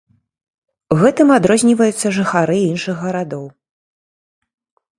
Гэтым адрозніваюцца жыхары іншых гарадоў.